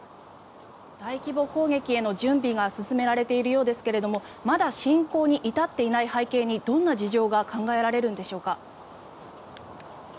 大規模攻撃への準備が進められているようですがまだ侵攻に至っていない背景にどんな事情が考えられるんでしょうか。